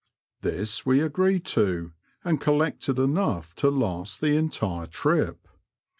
This we agreed to, and collected enough to last the entire trip.